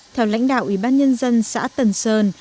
theo lãnh đạo ủy ban nhân dân xã tân sơn